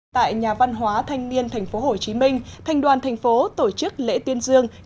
tại nhà văn hóa thanh niên tp hcm thành đoàn thành phố tổ chức lễ tuyên dương